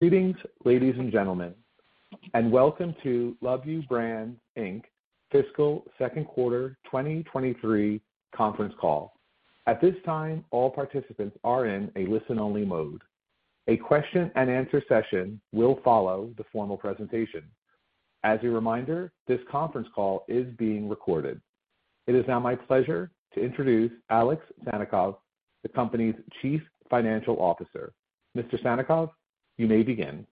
Greetings, ladies and gentlemen, welcome to Luvu Brands, Inc. fiscal second quarter 2023 conference call. At this time, all participants are in a listen-only mode. A question-and-answer session will follow the formal presentation. As a reminder, this conference call is being recorded. It is now my pleasure to introduce Alex Sannikov, the company's Chief Financial Officer. Mr. Sannikov, you may begin.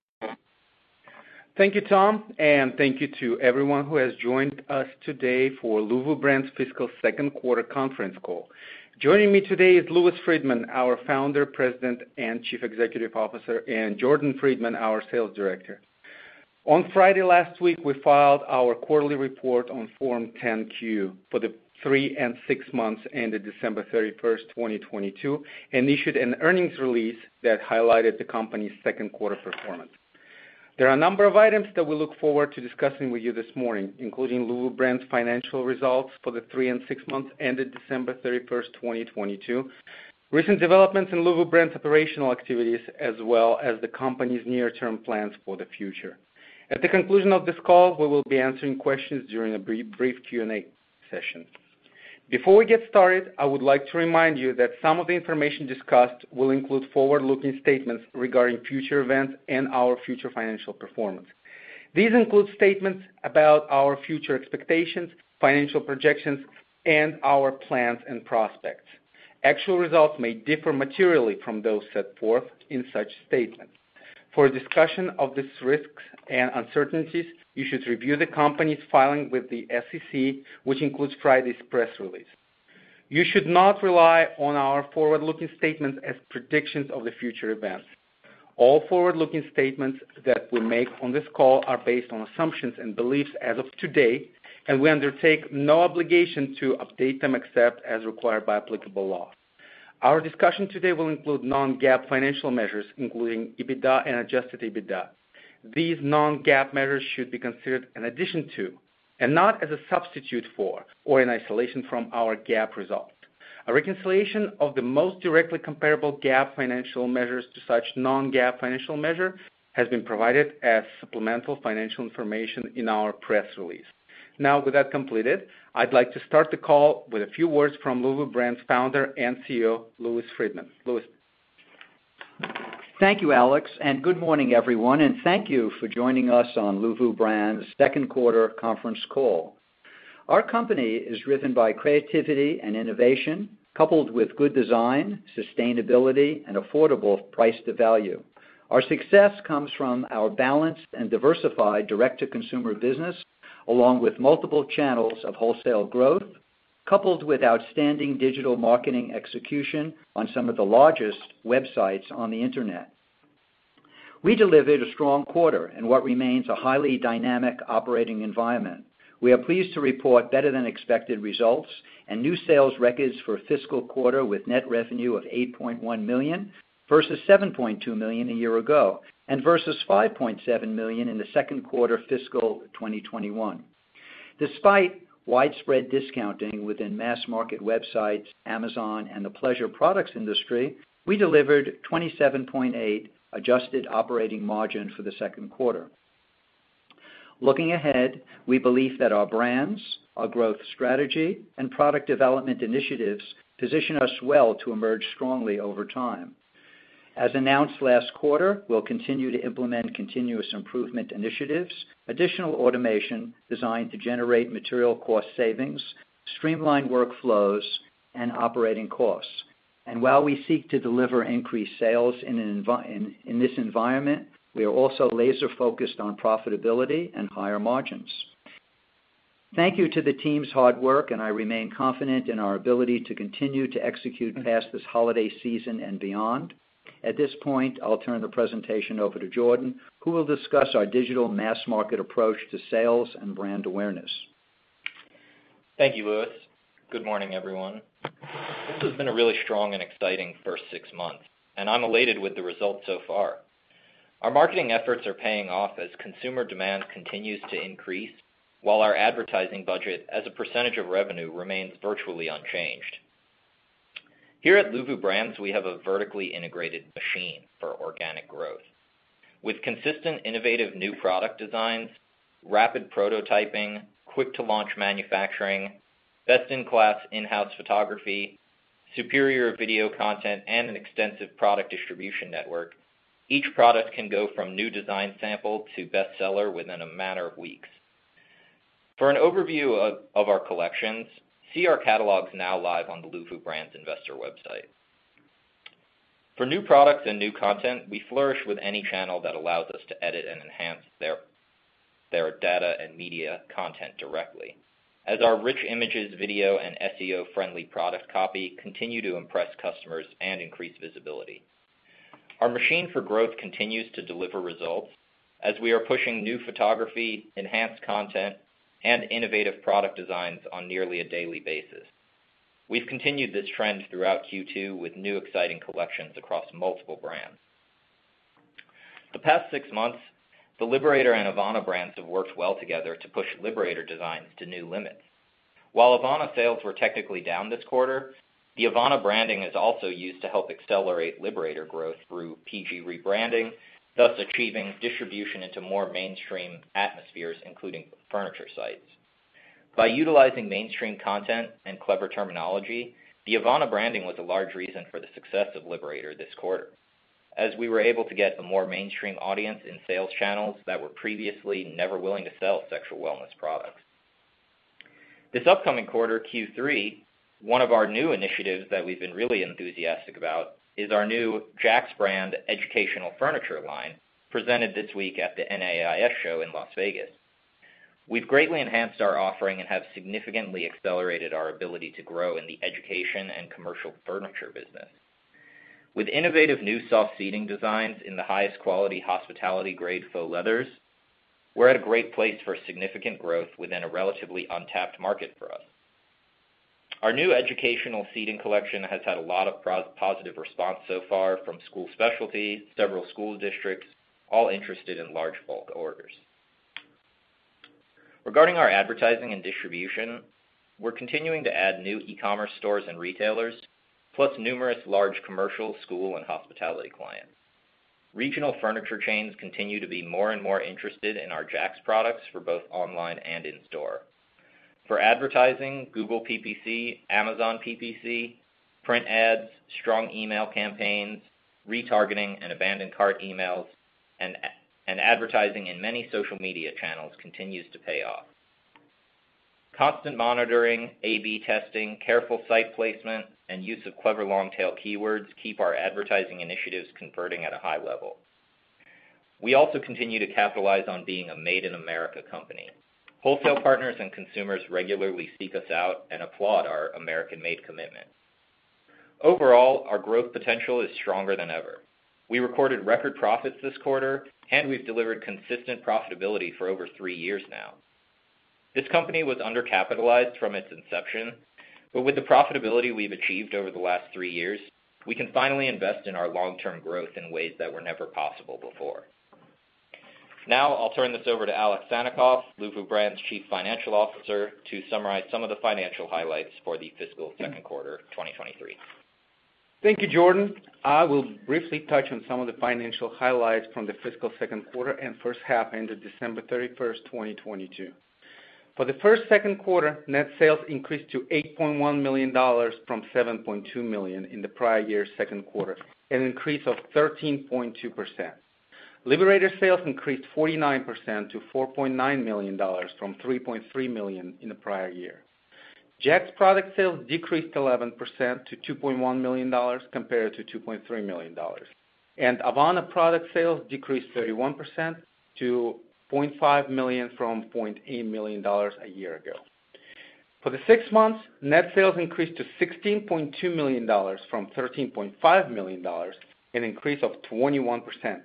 Thank you, Tom, and thank you to everyone who has joined us today for Luvu Brands fiscal second quarter conference call. Joining me today is Louis Friedman, our Founder, President, and Chief Executive Officer, and Jordan Friedman, our Sales Director. On Friday last week, we filed our quarterly report on Form 10-Q for the three and six months ended December 31, 2022, and issued an earnings release that highlighted the company's second quarter performance. There are a number of items that we look forward to discussing with you this morning, including Luvu Brands financial results for the three and six months ended December 31, 2022, recent developments in Luvu Brands operational activities, as well as the company's near-term plans for the future. At the conclusion of this call, we will be answering questions during a brief Q&A session. Before we get started, I would like to remind you that some of the information discussed will include forward-looking statements regarding future events and our future financial performance. These include statements about our future expectations, financial projections, and our plans and prospects. Actual results may differ materially from those set forth in such statements. For a discussion of these risks and uncertainties, you should review the company's filing with the SEC, which includes Friday's press release. You should not rely on our forward-looking statements as predictions of the future events. All forward-looking statements that we make on this call are based on assumptions and beliefs as of today, and we undertake no obligation to update them except as required by applicable law. Our discussion today will include non-GAAP financial measures, including EBITDA and adjusted EBITDA. These non-GAAP measures should be considered in addition to and not as a substitute for or an isolation from our GAAP results. A reconciliation of the most directly comparable GAAP financial measures to such non-GAAP financial measure has been provided as supplemental financial information in our press release. With that completed, I'd like to start the call with a few words from Luvu Brands founder and CEO, Louis Friedman. Louis. Thank you, Alex. Good morning, everyone, and thank you for joining us on Luvu Brands second quarter conference call. Our company is driven by creativity and innovation, coupled with good design, sustainability and affordable price to value. Our success comes from our balanced and diversified direct-to-consumer business, along with multiple channels of wholesale growth, coupled with outstanding digital marketing execution on some of the largest websites on the internet. We delivered a strong quarter in what remains a highly dynamic operating environment. We are pleased to report better than expected results and new sales records for fiscal quarter with net revenue of $8.1 million versus $7.2 million a year ago, versus $5.7 million in the second quarter fiscal 2021. Despite widespread discounting within mass market websites, Amazon, and the pleasure products industry, we delivered 27.8% adjusted operating margin for the second quarter. Looking ahead, we believe that our brands, our growth strategy, and product development initiatives position us well to emerge strongly over time. As announced last quarter, we'll continue to implement continuous improvement initiatives, additional automation designed to generate material cost savings, streamline workflows and operating costs. While we seek to deliver increased sales in this environment, we are also laser-focused on profitability and higher margins. Thank you to the team's hard work, and I remain confident in our ability to continue to execute past this holiday season and beyond. At this point, I'll turn the presentation over to Jordan, who will discuss our digital mass market approach to sales and brand awareness. Thank you, Louis. Good morning, everyone. This has been a really strong and exciting first six months. I'm elated with the results so far. Our marketing efforts are paying off as consumer demand continues to increase while our advertising budget as a % of revenue remains virtually unchanged. Here at Luvu Brands, we have a vertically integrated machine for organic growth. With consistent, innovative new product designs, rapid prototyping, quick to launch manufacturing, best-in-class in-house photography, superior video content, and an extensive product distribution network, each product can go from new design sample to best seller within a matter of weeks. For an overview of our collections, see our catalogs now live on the Luvu Brands investor website. For new products and new content, we flourish with any channel that allows us to edit and enhance their data and media content directly, as our rich images, video, and SEO-friendly product copy continue to impress customers and increase visibility. Our machine for growth continues to deliver results, as we are pushing new photography, enhanced content, and innovative product designs on nearly a daily basis. We've continued this trend throughout Q2 with new exciting collections across multiple brands. The past six months, the Liberator and Avana brands have worked well together to push Liberator designs to new limits. While Avana sales were technically down this quarter, the Avana branding is also used to help accelerate Liberator growth through PG rebranding, thus achieving distribution into more mainstream atmospheres, including furniture sites. By utilizing mainstream content and clever terminology, the Avana branding was a large reason for the success of Liberator this quarter, as we were able to get a more mainstream audience in sales channels that were previously never willing to sell sexual wellness products. This upcoming quarter, Q3, one of our new initiatives that we've been really enthusiastic about is our new Jaxx brand educational furniture line, presented this week at the NAIS show in Las Vegas. We've greatly enhanced our offering and have significantly accelerated our ability to grow in the education and commercial furniture business. With innovative new soft seating designs in the highest quality hospitality grade faux leathers, we're at a great place for significant growth within a relatively untapped market for us. Our new educational seating collection has had a lot of positive response so far from School Specialty, several school districts, all interested in large bulk orders. Regarding our advertising and distribution, we're continuing to add new e-commerce stores and retailers, plus numerous large commercial, school, and hospitality clients. Regional furniture chains continue to be more and more interested in our Jaxx products for both online and in-store. For advertising, Google PPC, Amazon PPC, print ads, strong email campaigns, retargeting and abandoned cart emails, and advertising in many social media channels continues to pay off. Constant monitoring, A/B testing, careful site placement, and use of clever long-tail keywords keep our advertising initiatives converting at a high level. We also continue to capitalize on being a Made in America company. Wholesale partners and consumers regularly seek us out and applaud our American-made commitment. Overall, our growth potential is stronger than ever. We recorded record profits this quarter, and we've delivered consistent profitability for over three years now. This company was undercapitalized from its inception, but with the profitability we've achieved over the last three years, we can finally invest in our long-term growth in ways that were never possible before. Now, I'll turn this over to Alex Sannikov, Luvu Brands' Chief Financial Officer, to summarize some of the financial highlights for the fiscal second quarter 2023. Thank you, Jordan. I will briefly touch on some of the financial highlights from the fiscal second quarter and first half ended December 31, 2022. For the first second quarter, net sales increased to $8.1 million from $7.2 million in the prior year's second quarter, an increase of 13.2%. Liberator sales increased 49% to $4.9 million from $3.3 million in the prior year. Jaxx product sales decreased 11% to $2.1 million compared to $2.3 million. Avana product sales decreased 31% to $0.5 million from $0.8 million a year ago. For the six months, net sales increased to $16.2 million from $13.5 million, an increase of 21%.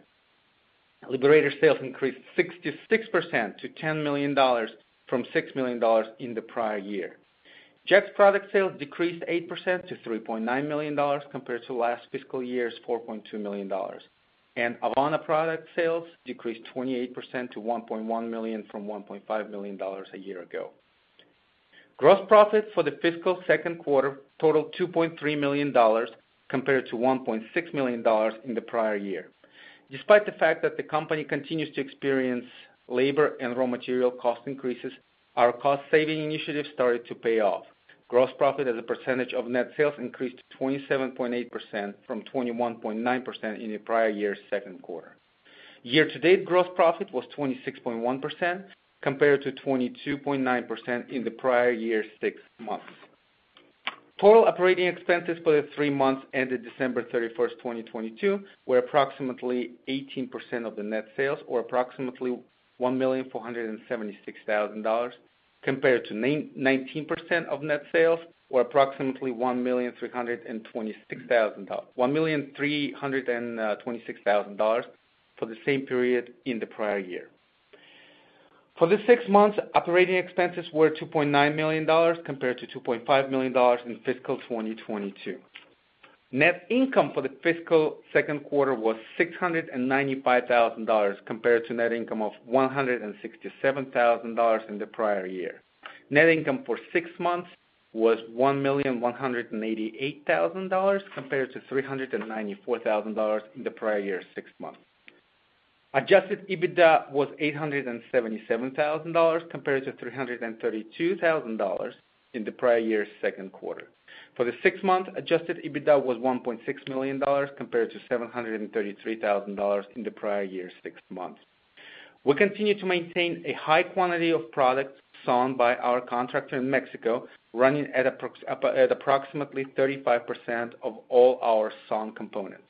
Liberator sales increased 66% to $10 million from $6 million in the prior year. Jaxx product sales decreased 8% to $3.9 million compared to last fiscal year's $4.2 million. Avana product sales decreased 28% to $1.1 million from $1.5 million a year ago. Gross profit for the fiscal second quarter totaled $2.3 million compared to $1.6 million in the prior year. Despite the fact that the company continues to experience labor and raw material cost increases, our cost-saving initiatives started to pay off. Gross profit as a percentage of net sales increased to 27.8% from 21.9% in the prior year's second quarter. Year-to-date gross profit was 26.1% compared to 22.9% in the prior year's six months. Total operating expenses for the three months ended December 31, 2022 were approximately 18% of the net sales or approximately $1,476,000 compared to 19% of net sales or approximately $1,326,000 for the same period in the prior year. For the six months, operating expenses were $2.9 million compared to $2.5 million in fiscal 2022. Net income for the fiscal second quarter was $695,000 compared to net income of $167,000 in the prior year. Net income for six months was $1,188,000 compared to $394,000 in the prior year's six months. Adjusted EBITDA was $877,000 compared to $332,000 in the prior year's second quarter. For the six months, adjusted EBITDA was $1.6 million compared to $733,000 in the prior year's six months. We continue to maintain a high quantity of products sewn by our contractor in Mexico, running at approximately 35% of all our sewn components.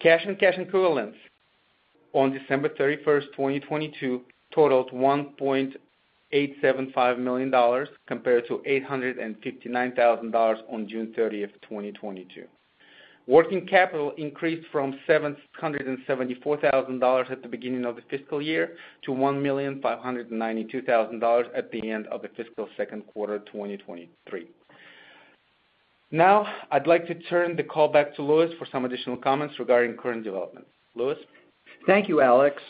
Cash and cash equivalents on December 31, 2022 totaled $1.875 million compared to $859,000 on June 30, 2022. Working capital increased from $774,000 at the beginning of the fiscal year to $1,592,000 at the end of the fiscal second quarter 2023. I'd like to turn the call back to Louis for some additional comments regarding current developments. Louis. Thank you, Alex.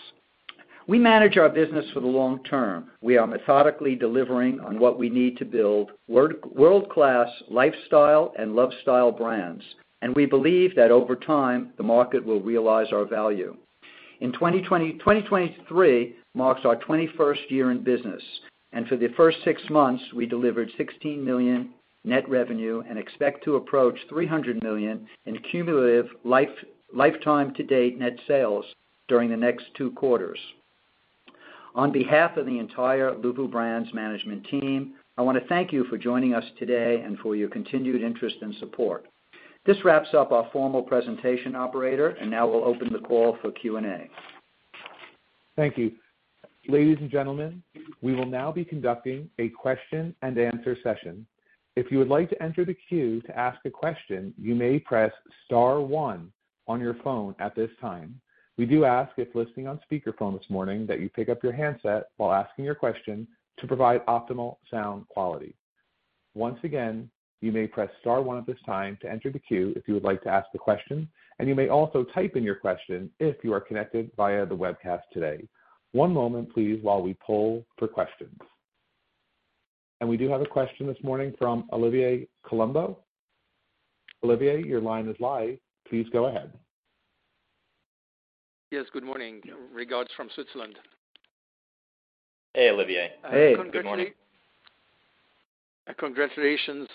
We manage our business for the long term. We are methodically delivering on what we need to build world-class lifestyle and love style brands. We believe that over time, the market will realize our value. In 2023 marks our 21st year in business. For the first six months, we delivered $16 million net revenue and expect to approach $300 million in cumulative lifetime to date net sales during the next two quarters. On behalf of the entire Luvu Brands management team, I wanna thank you for joining us today and for your continued interest and support. This wraps up our formal presentation operator. Now we'll open the call for Q&A. Thank you. Ladies and gentlemen, we will now be conducting a question-and-answer session. If you would like to enter the queue to ask a question, you may press star one on your phone at this time. We do ask if listening on speakerphone this morning that you pick up your handset while asking your question to provide optimal sound quality. Once again, you may press star one at this time to enter the queue if you would like to ask a question, and you may also type in your question if you are connected via the webcast today. One moment please, while we pull for questions. We do have a question this morning from Olivier Colombo. Olivier, your line is live. Please go ahead. Yes, good morning. Regards from Switzerland. Hey, Olivier. Hey, good morning. Congratulations,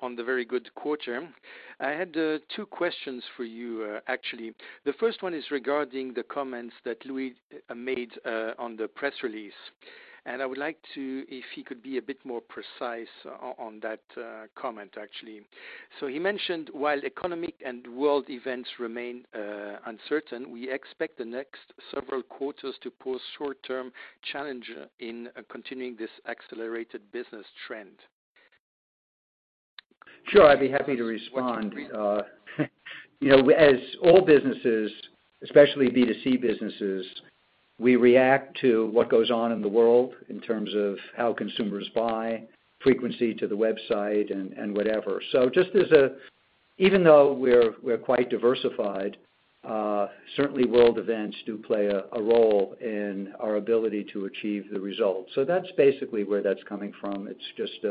on the very good quarter. I had two questions for you, actually. The first one is regarding the comments that Louis made on the press release, and I would like to if he could be a bit more precise on that comment, actually. He mentioned, while economic and world events remain uncertain, we expect the next several quarters to pose short-term challenge in continuing this accelerated business trend. Sure. I'd be happy to respond. you know, as all businesses, especially B2C businesses, we react to what goes on in the world in terms of how consumers buy, frequency to the website and whatever. Even though we're quite diversified, certainly world events do play a role in our ability to achieve the results. That's basically where that's coming from. It's just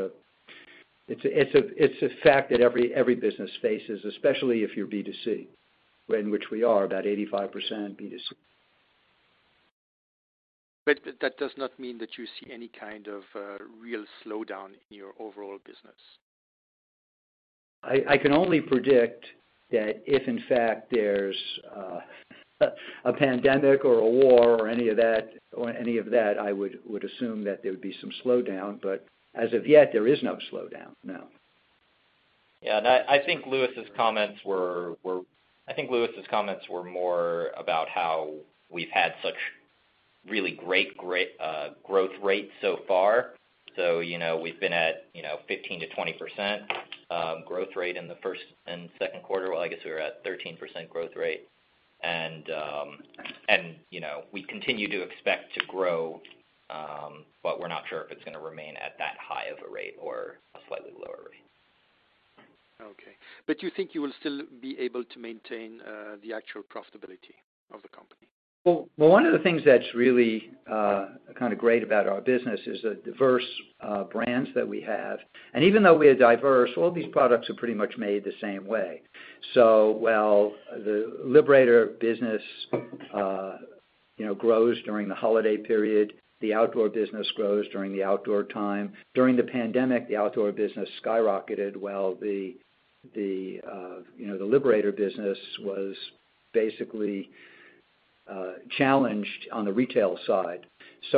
a fact that every business faces, especially if you're B2C, when which we are about 85% B2C. That does not mean that you see any kind of, real slowdown in your overall business. I can only predict that if in fact there's a pandemic or a war or any of that, or any of that, I would assume that there would be some slowdown, but as of yet, there is no slowdown. No. Yeah. I think Louis's comments were more about how we've had such really great growth rate so far. You know, we've been at, you know, 15%-20% growth rate in the first and second quarter. Well, I guess we were at 13% growth rate. You know, we continue to expect to grow, but we're not sure if it's gonna remain at that high of a rate or a slightly lower rate. Okay. You think you will still be able to maintain the actual profitability of the company? Well, one of the things that's really, kind of great about our business is the diverse brands that we have. Even though we are diverse, all these products are pretty much made the same way. While the Liberator business, you know, grows during the holiday period, the outdoor business grows during the outdoor time. During the pandemic, the outdoor business skyrocketed while the, you know, the Liberator business was basically challenged on the retail side.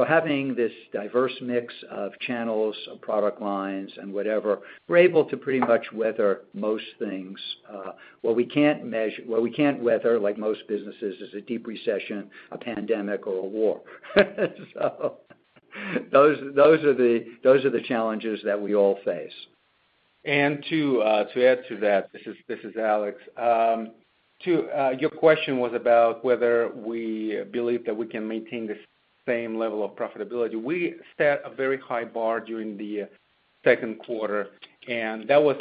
Having this diverse mix of channels, of product lines and whatever, we're able to pretty much weather most things, what we can't weather, like most businesses is a deep recession, a pandemic or a war. Those are the challenges that we all face. To, to add to that, this is Alex. Your question was about whether we believe that we can maintain the same level of profitability. We set a very high bar during the second quarter. That was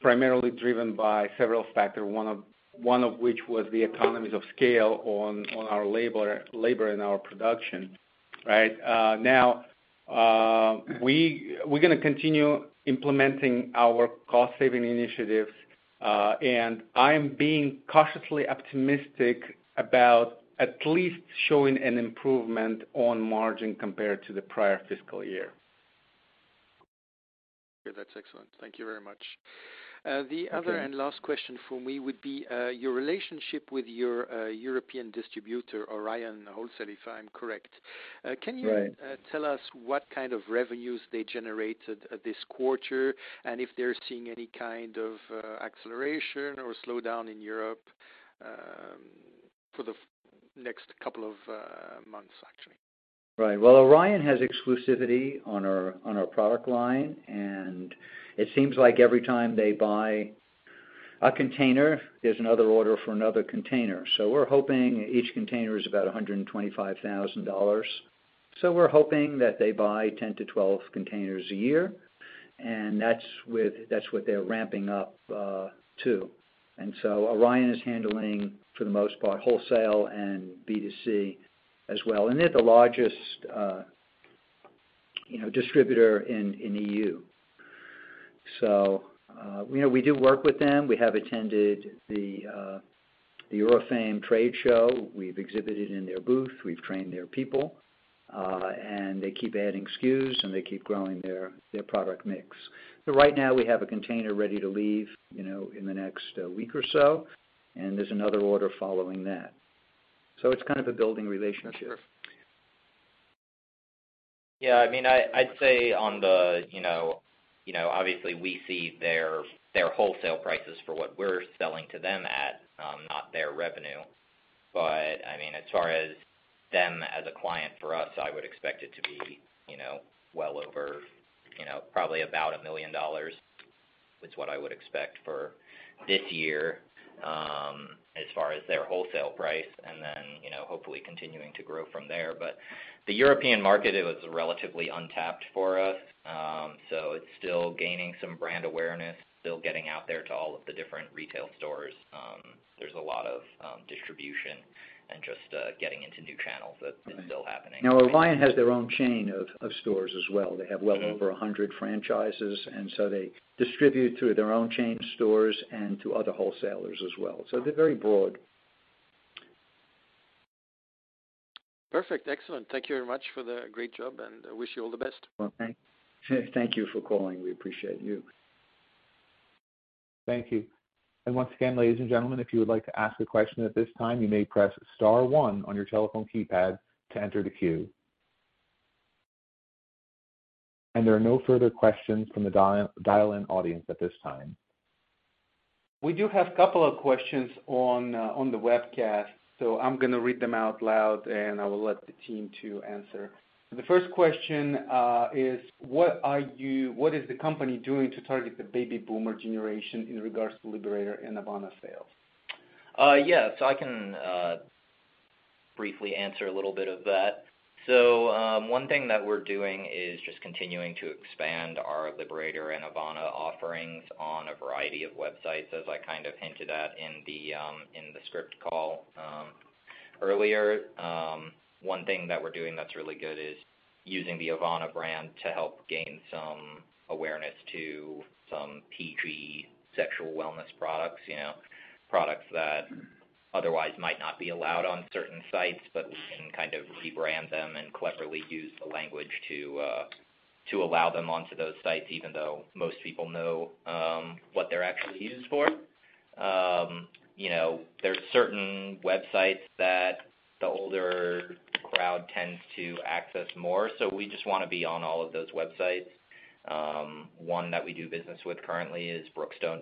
primarily driven by several factors, one of which was the economies of scale on our labor and our production. Right? Now, we're gonna continue implementing our cost saving initiatives. I'm being cautiously optimistic about at least showing an improvement on margin compared to the prior fiscal year. Okay. That's excellent. Thank you very much. The other- Okay. Last question from me would be your relationship with your European distributor, Orion Wholesale, if I'm correct? Right. Can you tell us what kind of revenues they generated this quarter and if they're seeing any kind of acceleration or slowdown in Europe for the next couple of months, actually? Right. Well, Orion has exclusivity on our product line, and it seems like every time they buy a container is another order for another container. We're hoping each container is about $125,000. We're hoping that they buy 10-12 containers a year, and that's what they're ramping up to. Orion is handling, for the most part, wholesale and B2C as well. They're the largest, you know, distributor in EU. We do work with them. We have attended the eroFame trade show. We've exhibited in their booth. We've trained their people. They keep adding SKUs, and they keep growing their product mix. Right now, we have a container ready to leave, you know, in the next week or so, and there's another order following that. It's kind of a building relationship. Yeah. I mean, I'd say on the, you know, obviously we see their wholesale prices for what we're selling to them at, not their revenue. I mean, as far as them as a client for us, I would expect it to be, you know, well over, probably about $1 million. It's what I would expect for this year, as far as their wholesale price and then, you know, hopefully continuing to grow from there. The European market, it was relatively untapped for us. So it's still gaining some brand awareness, still getting out there to all of the different retail stores. There's a lot of distribution and just getting into new channels. Okay... is still happening. Orion has their own chain of stores as well. They have well over 100 franchises, and so they distribute through their own chain stores and to other wholesalers as well. They're very broad. Perfect. Excellent. Thank you very much for the great job, and I wish you all the best. Well, thank you for calling. We appreciate you. Thank you. Once again, ladies and gentlemen, if you would like to ask a question at this time, you may press star one on your telephone keypad to enter the queue. There are no further questions from the dial-in audience at this time. We do have couple of questions on on the webcast. I'm gonna read them out loud. I will let the team to answer. The first question is what is the company doing to target the baby boomer generation in regards to Liberator and Avana sales? Yeah. I can briefly answer a little bit of that. One thing that we're doing is just continuing to expand our Liberator and Avana offerings on a variety of websites, as I kind of hinted at in the script call earlier. One thing that we're doing that's really good is using the Avana brand to help gain some awareness to some PG sexual wellness products, you know. Products that otherwise might not be allowed on certain sites, but we can kind of rebrand them and cleverly use the language to allow them onto those sites, even though most people know what they're actually used for. You know, there's certain websites that the older crowd tends to access more, so we just wanna be on all of those websites. One that we do business with currently is Brookstone.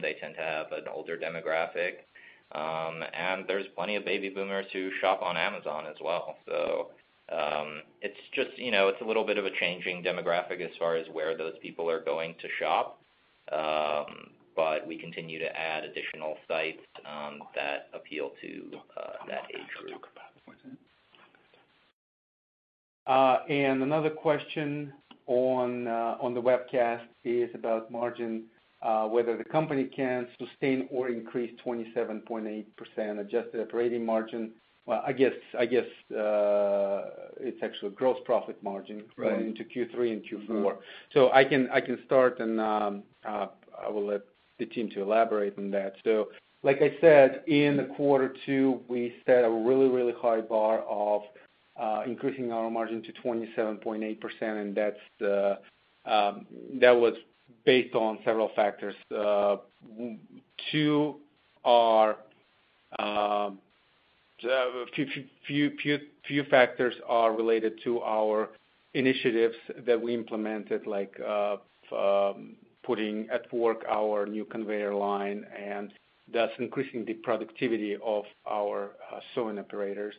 They tend to have an older demographic. There's plenty of baby boomers who shop on Amazon as well. It's just, you know, it's a little bit of a changing demographic as far as where those people are going to shop. We continue to add additional sites that appeal to that age group. Another question on on the webcast is about margin, whether the company can sustain or increase 27.8% adjusted operating margin. Well, I guess, it's actually gross profit margin... Right... into Q3 and Q4. I can start, and I will let the team to elaborate on that. Like I said, in Q2, we set a really high bar of increasing our margin to 27.8%, and that's the... That was based on several factors. Two are few factors are related to our initiatives that we implemented, like putting at work our new conveyor line, and that's increasing the productivity of our sewing operators.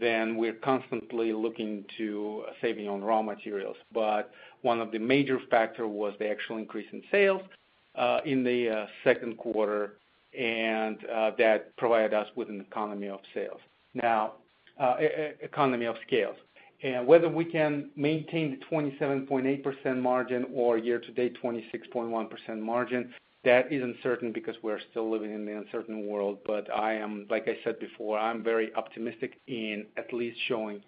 We're constantly looking to saving on raw materials. One of the major factor was the actual increase in sales in the Q2, and that provided us with an economy of sales. Economy of scales. Whether we can maintain the 27.8% margin or year-to-date 26.1% margin, that is uncertain because we're still living in an uncertain world. I am like I said before, I'm very optimistic in at least showing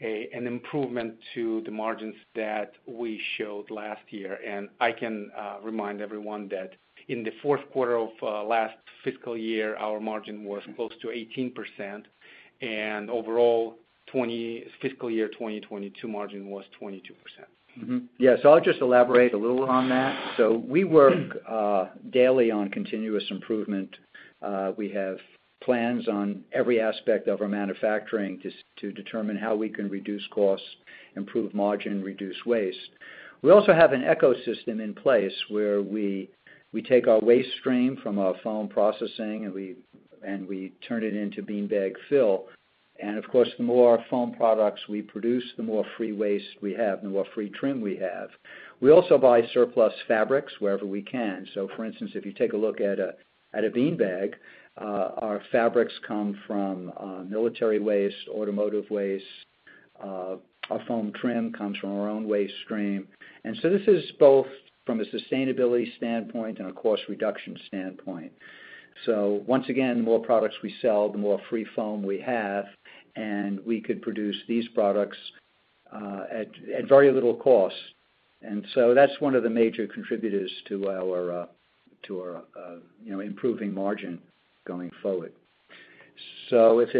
an improvement to the margins that we showed last year. I can remind everyone that in the fourth quarter of last fiscal year, our margin was close to 18%, and overall, fiscal year 2022 margin was 22%. Yeah. I'll just elaborate a little on that. We work daily on continuous improvement. We have plans on every aspect of our manufacturing to determine how we can reduce costs, improve margin, reduce waste. We also have an ecosystem in place where we take our waste stream from our foam processing, and we turn it into beanbag fill. Of course, the more foam products we produce, the more free waste we have and the more free trim we have. We also buy surplus fabrics wherever we can. For instance, if you take a look at a beanbag, our fabrics come from military waste, automotive waste. Our foam trim comes from our own waste stream. This is both from a sustainability standpoint and a cost reduction standpoint. Once again, the more products we sell, the more free foam we have, and we could produce these products, at very little cost. That's one of the major contributors to our, you know, improving margin going forward. If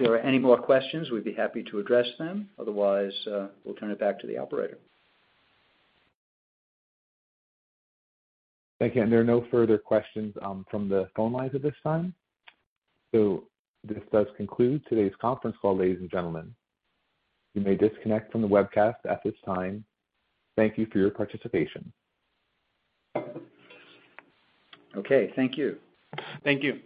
there are any more questions, we'd be happy to address them. Otherwise, we'll turn it back to the operator. Thank you. There are no further questions, from the phone lines at this time. This does conclude today's conference call, ladies and gentlemen. You may disconnect from the webcast at this time. Thank you for your participation. Okay, thank you. Thank you.